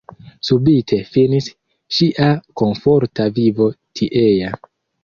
Subite finis ŝia komforta vivo tiea.